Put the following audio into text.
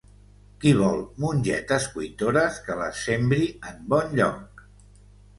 Qui vol mongetes cuitores, que les sembri en bon lloc.